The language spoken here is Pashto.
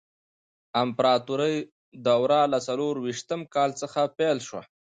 د امپراتورۍ دوره له څلور ویشتم کال څخه پیل شوه.